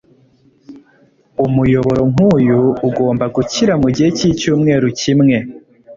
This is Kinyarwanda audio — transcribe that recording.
Umuyoboro nkuyu ugomba gukira mugihe cyicyumweru kimwe.